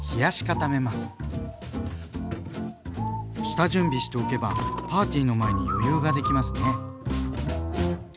下準備しておけばパーティーの前に余裕ができますね。